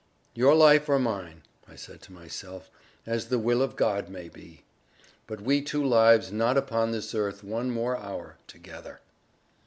"Your life, or mine," I said to myself; "as the will of God may be. But we two live not upon this earth one more hour together."